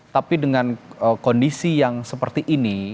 tapi dengan kondisi yang seperti ini